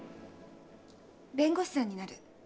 弁護士さんになる。